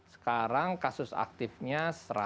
sekarang kasus aktifnya